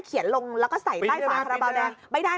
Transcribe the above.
เขียนลงแล้วก็ใส่ใต้ฝาคาราบาวแดง